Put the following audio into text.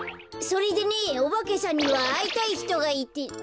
それでねオバケさんにはあいたいひとがいて。